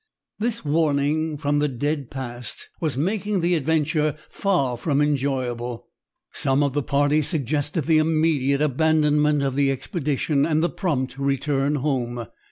This warning from the dead past was making the adventure far from enjoyable. Some of the party suggested the immediate abandonment of the expedition and the prompt return home.